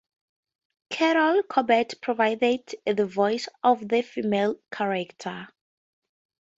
Carol Corbett provided the voices of the female characters.